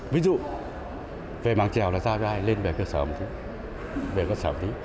ví dụ về mạng trèo là ra cho ai lên về cơ sở một tí